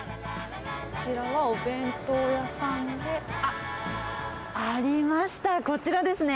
こちらはお弁当屋さんで、あっ、ありました、こちらですね。